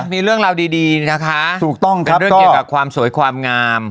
มีเรื่องราวดีนะคะเป็นเรื่องเกี่ยวกับความสวยความงาม